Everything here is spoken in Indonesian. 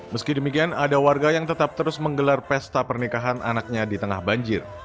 meski demikian ada warga yang tetap terus menggelar pesta pernikahan anaknya di tengah banjir